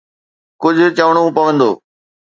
ڪجهه چوڻو پوندو.